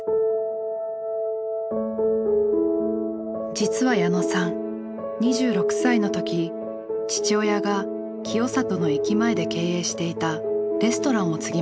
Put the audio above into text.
実は矢野さん２６歳の時父親が清里の駅前で経営していたレストランを継ぎました。